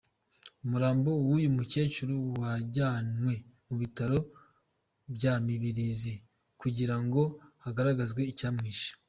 Umurambo w’uyu mukecuru wajyanwe mu bitaro bya Mibirizi kugira ngo hagaragazwe icyamwishe.